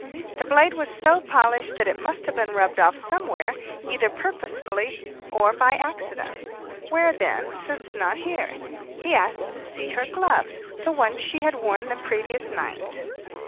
The blade was so polished that it must have been rubbed off somewhere, either purposely or by accident. Where then, since not here? He asked to see her gloves the ones she had worn the previous night.